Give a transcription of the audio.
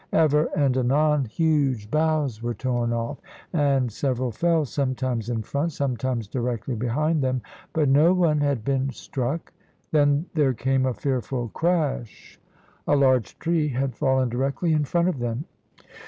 Ever and anon huge boughs were torn off, and several fell, sometimes in front, sometimes directly behind them, but no one had been struck. Then there came a fearful crash. A large tree had fallen directly in front of them.